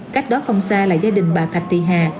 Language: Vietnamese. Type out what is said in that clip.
cách đó không xa là gia đình bà thạch thị hà